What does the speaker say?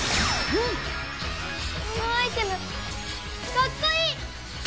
このアイテムかっこいい！